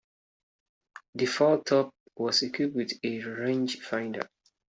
The fore-top was equipped with a rangefinder.